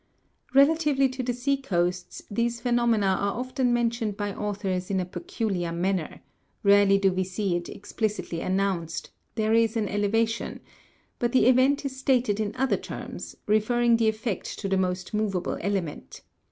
6. Relatively to the sea coasts, these phenomena are often men tioned by authors in a peculiar manner ; rarely do we see it expli citly announced, there is an elevation ; but the event is stated in other terms, referring the effect to the most moveable element.